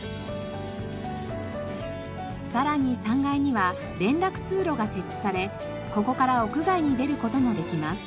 さらに３階には連絡通路が設置されここから屋外に出る事もできます。